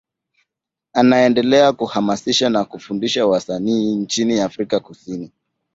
Anaendelea kuhamasisha na kufundisha wasanii nchini Afrika Kusini.